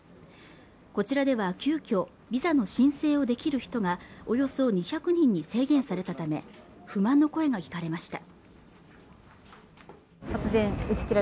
こちらでは急きょビザの申請をできる人がおよそ２００人に制限されたため不満の声が聞かれました